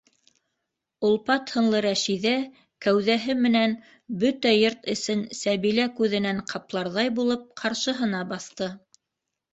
Олпат һынлы Рәшиҙә кәүҙәһе менән бөтә йорт эсен Сәбилә күҙенән ҡапларҙай булып ҡаршыһына баҫты: